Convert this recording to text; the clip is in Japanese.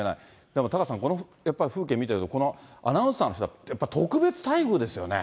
でもタカさん、この風景見てると、このアナウンサーの人が、やっぱり特別待遇ですよね。